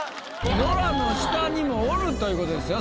ノラの下にもおるという事ですよ。